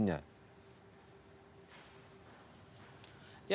apa yang harus dilakukan untuk memperbaiki hukumnya